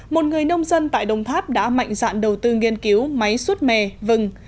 một người nông dân tại đồng tháp đã mạnh dạn đầu tư nghiên cứu máy suốt mè vừng